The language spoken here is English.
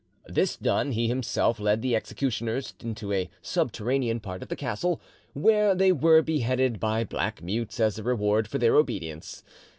This done, he himself led the executioners into a subterranean part of the castle, where they were beheaded by black mutes as a reward for their obedience.